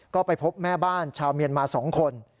ก็ไปพบแม่บ้านชาวเมียนมา๒คน